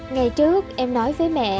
ngày trước em nói với mẹ